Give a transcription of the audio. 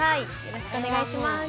よろしくお願いします。